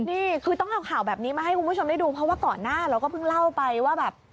นี่คือต้องเอาข่าวแบบนี้มาให้คุณผู้ชมได้ดูเพราะว่าก่อนหน้าเราก็เพิ่งเล่าไปว่าแบบ